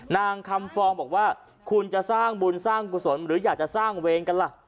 นางคำฟองบอกว่าคุณจะสร้างบุญสร้างกุศลหรืออยากจะสร้างเวรกันล่ะ